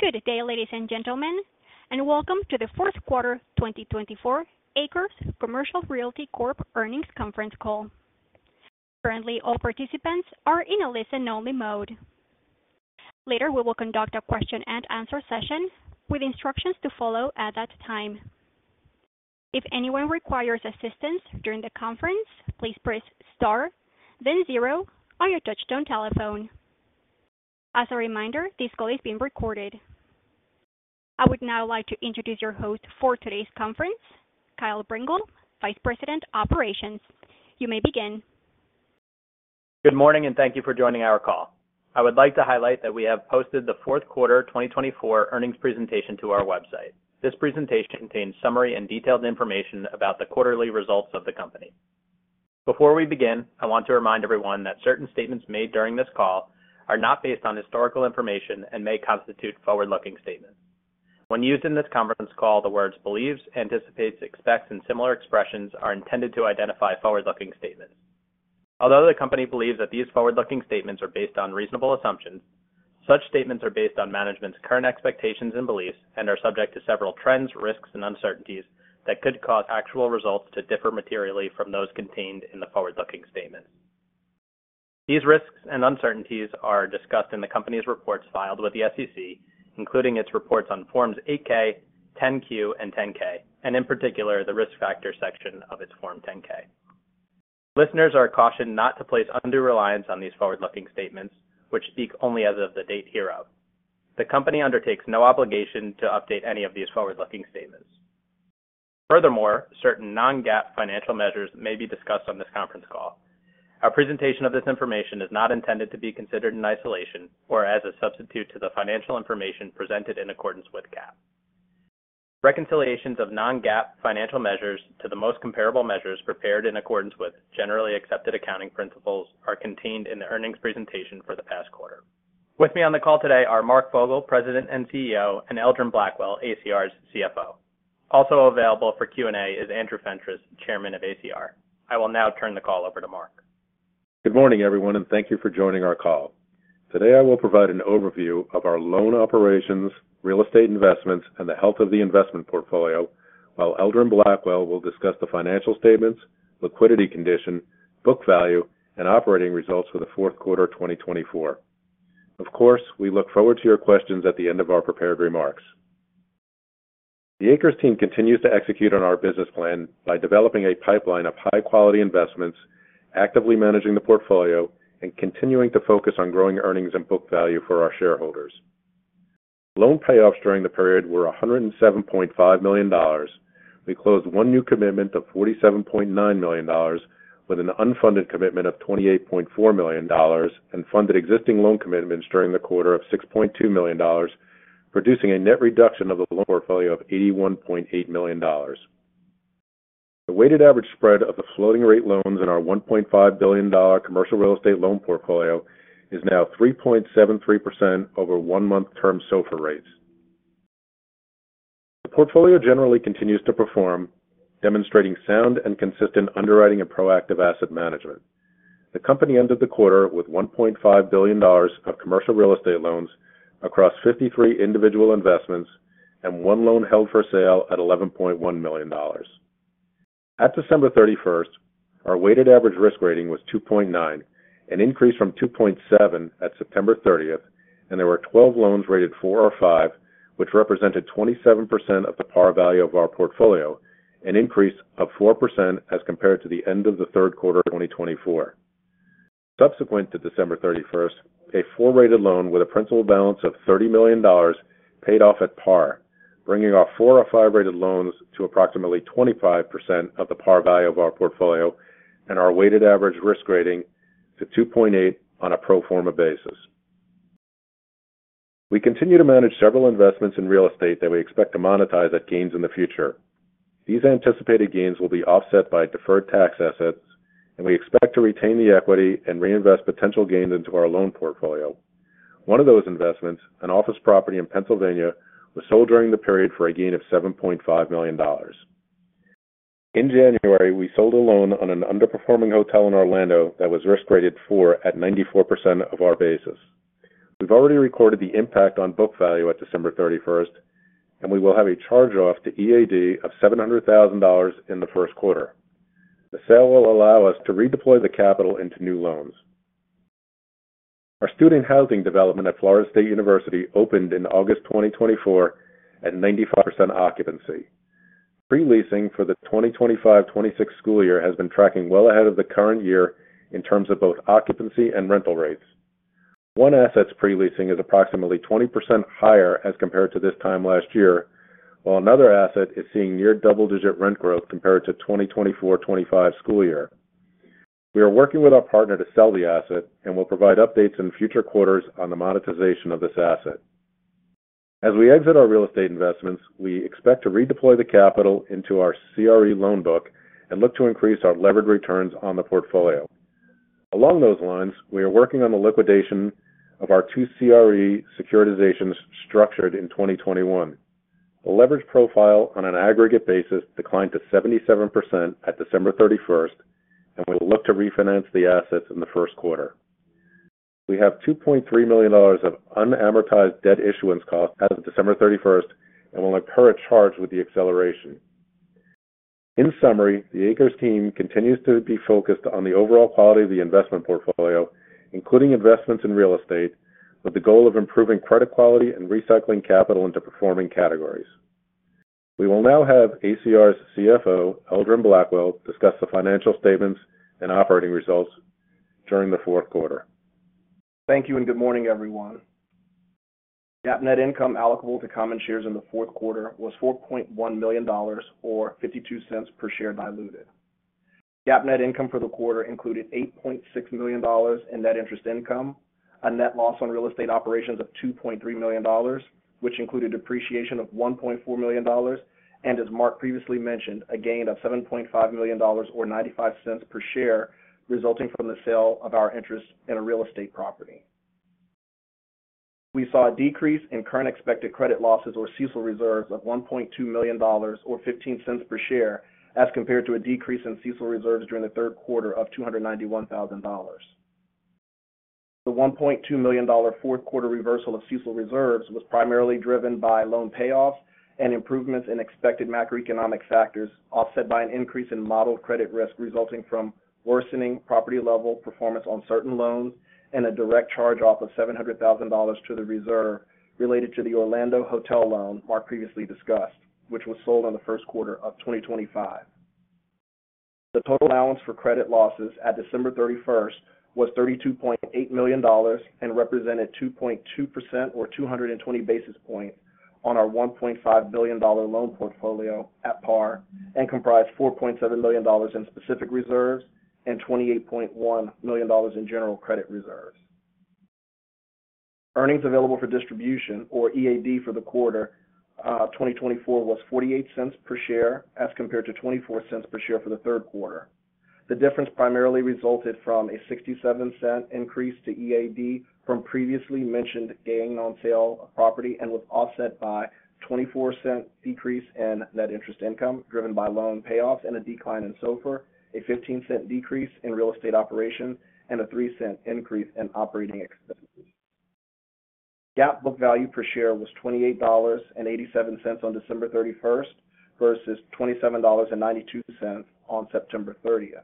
Good day, ladies and gentlemen, and welcome to the Fourth Quarter 2024 ACRES Commercial Realty Corp Earnings Conference Call. Currently, all participants are in a listen-only mode. Later, we will conduct a question and answer session with instructions to follow at that time. If anyone requires assistance during the conference, please press star, then zero, on your touch-tone telephone. As a reminder, this call is being recorded. I would now like to introduce your host for today's conference, Kyle Brengel, Vice President, Operations. You may begin. Good morning, and thank you for joining our call. I would like to highlight that we have posted the Fourth Quarter 2024 Earnings Presentation to our website. This presentation contains summary and detailed information about the quarterly results of the company. Before we begin, I want to remind everyone that certain statements made during this call are not based on historical information and may constitute forward-looking statements. When used in this conference call, the words "believes," "anticipates," "expects," and similar expressions are intended to identify forward-looking statements. Although the company believes that these forward-looking statements are based on reasonable assumptions, such statements are based on management's current expectations and beliefs and are subject to several trends, risks, and uncertainties that could cause actual results to differ materially from those contained in the forward-looking statements. These risks and uncertainties are discussed in the company's reports filed with the SEC, including its reports on Forms 8-K, 10-Q, and 10-K, and in particular, the risk factor section of its Form 10-K. Listeners are cautioned not to place undue reliance on these forward-looking statements, which speak only as of the date hereof. The company undertakes no obligation to update any of these forward-looking statements. Furthermore, certain non-GAAP financial measures may be discussed on this conference call. Our presentation of this information is not intended to be considered in isolation or as a substitute to the financial information presented in accordance with GAAP. Reconciliations of non-GAAP financial measures to the most comparable measures prepared in accordance with generally accepted accounting principles are contained in the earnings presentation for the past quarter. With me on the call today are Mark Fogel, President and CEO, and Eldron Blackwell, ACR's CFO. Also available for Q&A is Andrew Fentress, Chairman of ACR. I will now turn the call over to Mark. Good morning, everyone, and thank you for joining our call. Today, I will provide an overview of our loan operations, real estate investments, and the health of the investment portfolio, while Eldron Blackwell will discuss the financial statements, liquidity condition, book value, and operating results for the fourth quarter 2024. Of course, we look forward to your questions at the end of our prepared remarks. The ACRES team continues to execute on our business plan by developing a pipeline of high-quality investments, actively managing the portfolio, and continuing to focus on growing earnings and book value for our shareholders. Loan payoffs during the period were $107.5 million. We closed one new commitment of $47.9 million, with an unfunded commitment of $28.4 million, and funded existing loan commitments during the quarter of $6.2 million, producing a net reduction of the loan portfolio of $81.8 million. The weighted average spread of the floating-rate loans in our $1.5 billion commercial real estate loan portfolio is now 3.73% over one-month term SOFR rates. The portfolio generally continues to perform, demonstrating sound and consistent underwriting and proactive asset management. The company ended the quarter with $1.5 billion of commercial real estate loans across 53 individual investments and one loan held for sale at $11.1 million. At December 31, our weighted average risk rating was 2.9, an increase from 2.7 at September 30, and there were 12 loans rated 4 or 5, which represented 27% of the par value of our portfolio, an increase of 4% as compared to the end of the third quarter 2024. Subsequent to December 31, a 4-rated loan with a principal balance of $30 million paid off at par, bringing our 4 or 5-rated loans to approximately 25% of the par value of our portfolio and our weighted average risk rating to 2.8 on a pro forma basis. We continue to manage several investments in real estate that we expect to monetize at gains in the future. These anticipated gains will be offset by deferred tax assets, and we expect to retain the equity and reinvest potential gains into our loan portfolio. One of those investments, an office property in Pennsylvania, was sold during the period for a gain of $7.5 million. In January, we sold a loan on an underperforming hotel in Orlando that was risk-rated 4 at 94% of our basis. We've already recorded the impact on book value at December 31, and we will have a charge-off to EAD of $700,000 in the first quarter. The sale will allow us to redeploy the capital into new loans. Our student housing development at Florida State University opened in August 2024 at 95% occupancy. Pre-leasing for the 2025-2026 school year has been tracking well ahead of the current year in terms of both occupancy and rental rates. One asset's pre-leasing is approximately 20% higher as compared to this time last year, while another asset is seeing near double-digit rent growth compared to the 2024-2025 school year. We are working with our partner to sell the asset and will provide updates in future quarters on the monetization of this asset. As we exit our real estate investments, we expect to redeploy the capital into our CRE loan book and look to increase our levered returns on the portfolio. Along those lines, we are working on the liquidation of our two CRE securitizations structured in 2021. The leverage profile on an aggregate basis declined to 77% at December 31, and we will look to refinance the assets in the first quarter. We have $2.3 million of unamortized debt issuance cost as of December 31 and will incur a charge with the acceleration. In summary, the ACRES team continues to be focused on the overall quality of the investment portfolio, including investments in real estate, with the goal of improving credit quality and recycling capital into performing categories. We will now have ACR's CFO, Eldron Blackwell, discuss the financial statements and operating results during the fourth quarter. Thank you and good morning, everyone. GAAP net income allocable to common shares in the fourth quarter was $4.1 million or $0.52 per share diluted. GAAP net income for the quarter included $8.6 million in net interest income, a net loss on real estate operations of $2.3 million, which included depreciation of $1.4 million, and, as Mark previously mentioned, a gain of $7.5 million or $0.95 per share resulting from the sale of our interest in a real estate property. We saw a decrease in current expected credit losses or CECL reserves of $1.2 million or $0.15 per share as compared to a decrease in CECL reserves during the third quarter of $291,000. The $1.2 million fourth quarter reversal of CECL reserves was primarily driven by loan payoffs and improvements in expected macroeconomic factors offset by an increase in model credit risk resulting from worsening property-level performance on certain loans and a direct charge-off of $700,000 to the reserve related to the Orlando hotel loan Mark previously discussed, which was sold in the first quarter of 2025. The total allowance for credit losses at December 31 was $32.8 million and represented 2.2% or 220 basis points on our $1.5 billion loan portfolio at par and comprised $4.7 million in specific reserves and $28.1 million in general credit reserves. Earnings available for distribution, or EAD, for the fourth quarter 2024 was $0.48 per share as compared to $0.24 per share for the third quarter. The difference primarily resulted from a $0.67 increase to EAD from previously mentioned gain on sale of property and was offset by a $0.24 decrease in net interest income driven by loan payoffs and a decline in SOFR, a $0.15 decrease in real estate operations, and a $0.03 increase in operating expenses. GAAP book value per share was $28.87 on December 31 versus $27.92 on September 30.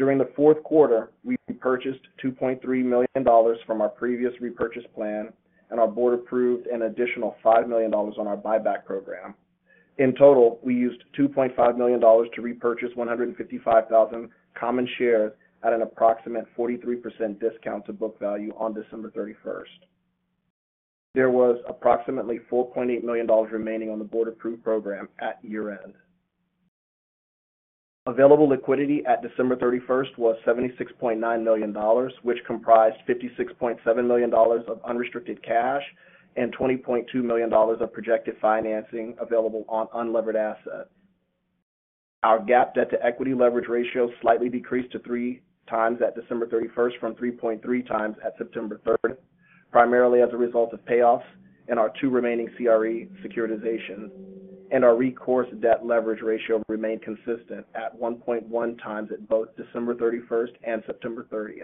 During the fourth quarter, we repurchased $2.3 million from our previous repurchase plan, and our board approved an additional $5 million on our buyback program. In total, we used $2.5 million to repurchase 155,000 common shares at an approximate 43% discount to book value on December 31. There was approximately $4.8 million remaining on the board-approved program at year-end. Available liquidity at December 31 was $76.9 million, which comprised $56.7 million of unrestricted cash and $20.2 million of projected financing available on unlevered assets. Our GAAP debt-to-equity leverage ratio slightly decreased to 3x at December 31 from 3.3x at September 30, primarily as a result of payoffs and our two remaining CRE securitizations. Our recourse debt leverage ratio remained consistent at 1.1x at both December 31 and September 30.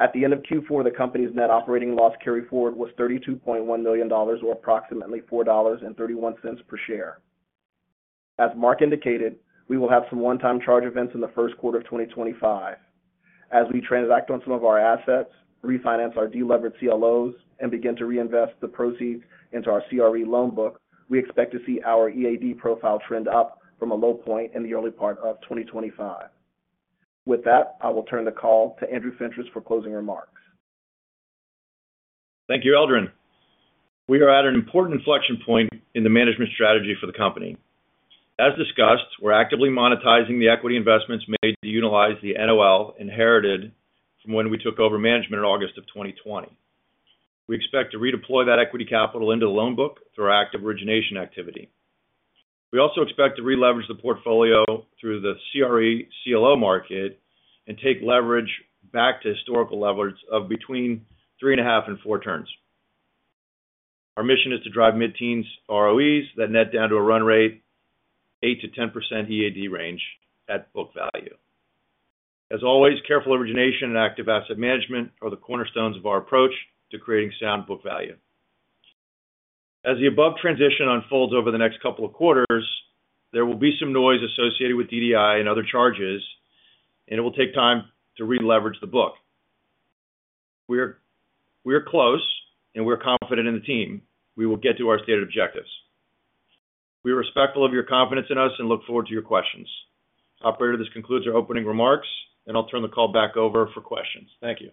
At the end of Q4, the company's net operating loss carryforward was $32.1 million or approximately $4.31 per share. As Mark indicated, we will have some one-time charge events in the first quarter of 2025. As we transact on some of our assets, refinance our de-levered CLOs, and begin to reinvest the proceeds into our CRE loan book, we expect to see our EAD profile trend up from a low point in the early part of 2025. With that, I will turn the call to Andrew Fentress for closing remarks. Thank you, Eldron. We are at an important inflection point in the management strategy for the company. As discussed, we're actively monetizing the equity investments made to utilize the NOL inherited from when we took over management in August of 2020. We expect to redeploy that equity capital into the loan book through our active origination activity. We also expect to re-leverage the portfolio through the CRE CLO market and take leverage back to historical leverage of between 3.5-4 turns. Our mission is to drive mid-teens ROEs that net down to a run rate 8-10% EAD range at book value. As always, careful origination and active asset management are the cornerstones of our approach to creating sound book value. As the above transition unfolds over the next couple of quarters, there will be some noise associated with DDI and other charges, and it will take time to re-leverage the book. We are close, and we are confident in the team. We will get to our stated objectives. We are respectful of your confidence in us and look forward to your questions. Operator, this concludes our opening remarks, and I'll turn the call back over for questions. Thank you.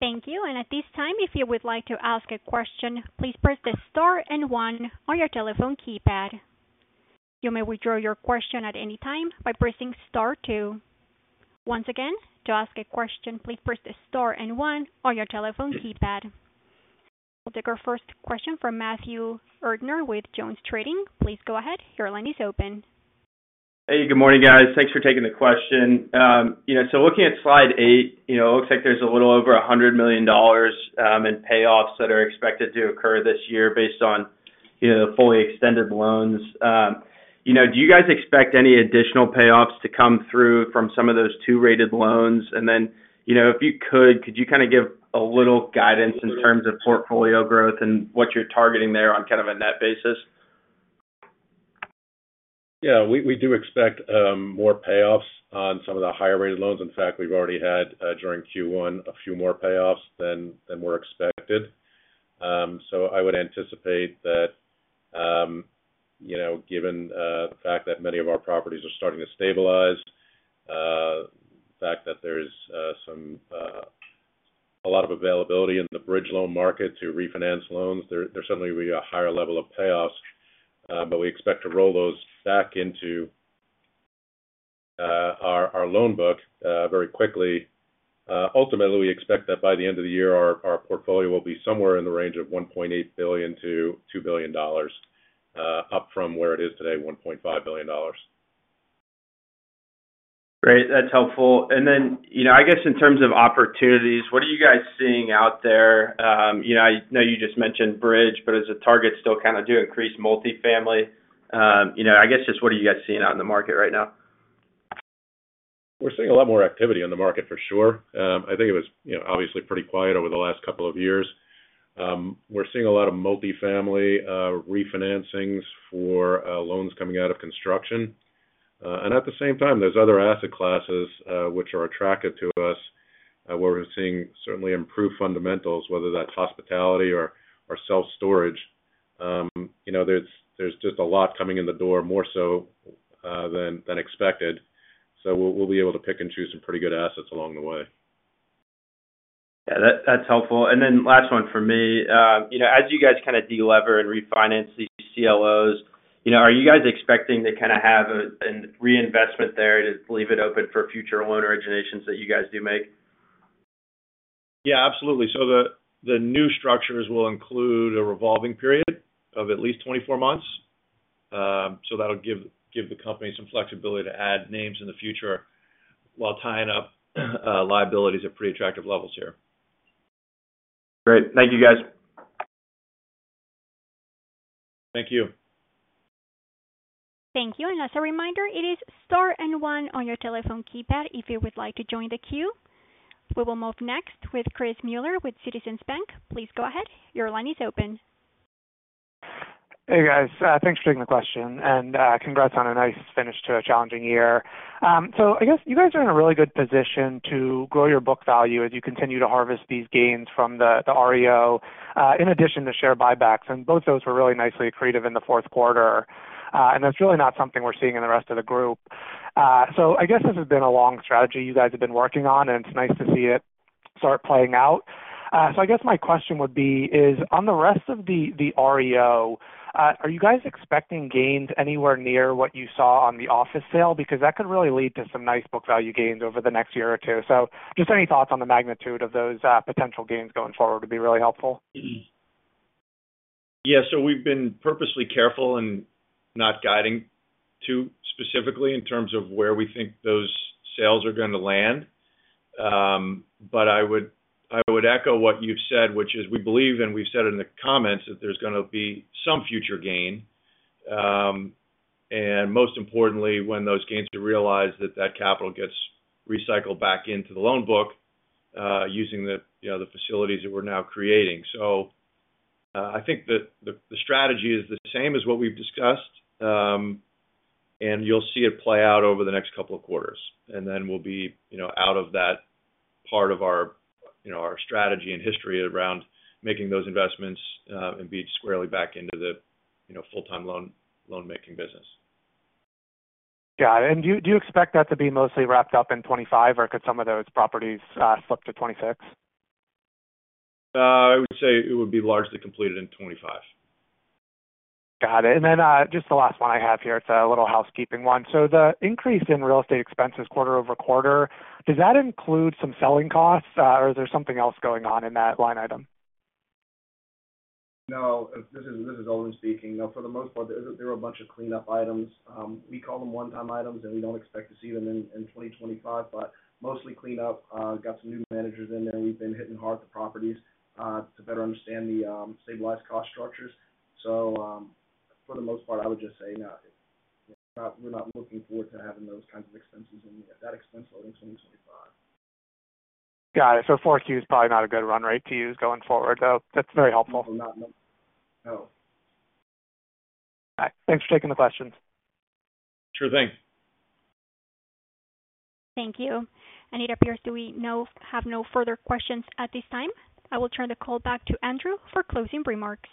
Thank you. At this time, if you would like to ask a question, please press the star and one on your telephone keypad. You may withdraw your question at any time by pressing star two. Once again, to ask a question, please press the star and one on your telephone keypad. We'll take our first question from Matthew Erdner with JonesTrading. Please go ahead. Your line is open. Hey, good morning, guys. Thanks for taking the question. Looking at slide eight, it looks like there's a little over $100 million in payoffs that are expected to occur this year based on the fully extended loans. Do you guys expect any additional payoffs to come through from some of those 2-rated loans? If you could, could you kind of give a little guidance in terms of portfolio growth and what you're targeting there on kind of a net basis? Yeah, we do expect more payoffs on some of the higher-rated loans. In fact, we've already had during Q1 a few more payoffs than were expected. I would anticipate that, given the fact that many of our properties are starting to stabilize, the fact that there's a lot of availability in the bridge loan market to refinance loans, there's certainly going to be a higher level of payoffs. We expect to roll those back into our loan book very quickly. Ultimately, we expect that by the end of the year, our portfolio will be somewhere in the range of $1.8 billion-$2 billion, up from where it is today of $1.5 billion. Great. That's helpful. I guess in terms of opportunities, what are you guys seeing out there? I know you just mentioned bridge, but is the target still kind of to increase multifamily? I guess just what are you guys seeing out in the market right now? We're seeing a lot more activity in the market for sure. I think it was obviously pretty quiet over the last couple of years. We're seeing a lot of multifamily refinancings for loans coming out of construction. At the same time, there's other asset classes which are attractive to us where we're seeing certainly improved fundamentals, whether that's hospitality or self-storage. There's just a lot coming in the door more so than expected. We'll be able to pick and choose some pretty good assets along the way. Yeah, that's helpful. Last one for me. As you guys kind of delever and refinance these CLOs, are you guys expecting to kind of have a reinvestment there to leave it open for future loan originations that you guys do make? Yeah, absolutely. The new structures will include a revolving period of at least 24 months. That will give the company some flexibility to add names in the future while tying up liabilities at pretty attractive levels here. Great. Thank you, guys. Thank you. Thank you. As a reminder, it is star and one on your telephone keypad if you would like to join the queue. We will move next with Chris Muller with Citizens Bank. Please go ahead. Your line is open. Hey, guys. Thanks for taking the question. Congrats on a nice finish to a challenging year. I guess you guys are in a really good position to grow your book value as you continue to harvest these gains from the REO in addition to share buybacks. Both of those were really nicely accretive in the fourth quarter. That's really not something we're seeing in the rest of the group. I guess this has been a long strategy you guys have been working on, and it's nice to see it start playing out. My question would be, on the rest of the REO, are you guys expecting gains anywhere near what you saw on the office sale? That could really lead to some nice book value gains over the next year or two. Just any thoughts on the magnitude of those potential gains going forward would be really helpful? Yeah. We have been purposely careful in not guiding too specifically in terms of where we think those sales are going to land. I would echo what you have said, which is we believe, and we have said it in the comments, that there is going to be some future gain. Most importantly, when those gains are realized, that capital gets recycled back into the loan book using the facilities that we are now creating. I think the strategy is the same as what we have discussed. You will see it play out over the next couple of quarters. We will be out of that part of our strategy and history around making those investments and be squarely back into the full-time loan-making business. Got it. Do you expect that to be mostly wrapped up in 2025, or could some of those properties slip to 2026? I would say it would be largely completed in 2025. Got it. Just the last one I have here. It's a little housekeeping one. The increase in real estate expenses quarter over quarter, does that include some selling costs, or is there something else going on in that line item? No, this is Eldron speaking. No, for the most part, there were a bunch of cleanup items. We call them one-time items, and we do not expect to see them in 2025. Mostly cleanup. Got some new managers in there. We have been hitting hard at the properties to better understand the stabilized cost structures. For the most part, I would just say, no, we are not looking forward to having those kinds of expenses in that expense load in 2025. Got it. 4Q is probably not a good run rate to use going forward, though. That's very helpful. No. No. All right. Thanks for taking the questions. Sure thing. Thank you. It appears that we have no further questions at this time. I will turn the call back to Andrew for closing remarks.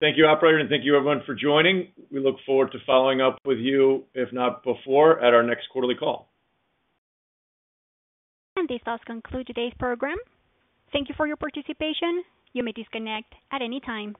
Thank you, Operator. Thank you, everyone, for joining. We look forward to following up with you, if not before, at our next quarterly call. This does conclude today's program. Thank you for your participation. You may disconnect at any time.